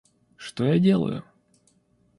Что я делаю?